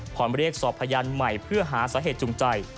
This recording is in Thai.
เรียกสอบพยานใหม่เพื่อหาสาเหตุจุงใจ